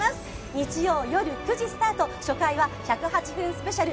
日曜夜９時スタート、初回は１０８分スペシャル。